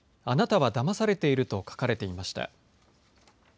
あなたはだまされていると書かれていました。